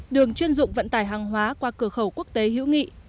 đường chuyên dụng vận tải hàng hóa qua cửa khẩu quốc tế hữu nghị